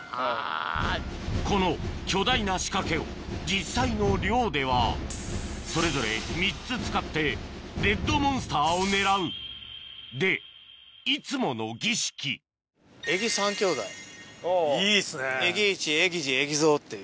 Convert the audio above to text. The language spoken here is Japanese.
この巨大な仕掛けを実際の漁ではそれぞれ３つ使ってレッドモンスターを狙うでいつもの儀式いいですね。